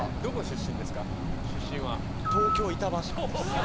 出身は東京板橋区です。